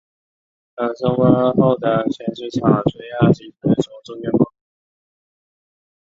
而收割后的咸水草需要即时从中间破开。